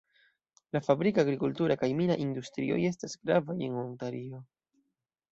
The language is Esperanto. La fabrika, agrikultura kaj mina industrioj estas gravaj en Ontario.